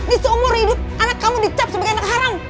di seumur hidup anak kamu dicap sebagai anak haram